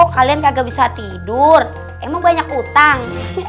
kalian kagak bisa tidur emang banyak utang